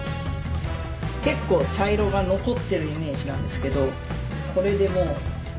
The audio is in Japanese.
結構茶色が残ってるイメージなんですけどこれでもう。